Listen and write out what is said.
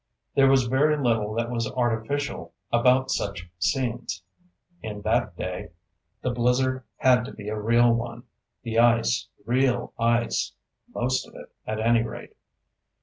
There was very little that was artificial about such scenes, in that day: the blizzard had to be a real one, the ice, real ice—most of it, at any rate.